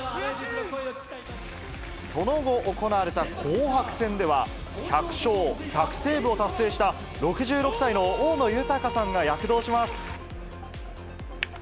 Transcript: その後、行われた紅白戦では、１００勝、１００セーブを達成した６６歳の大野豊さんが躍動します。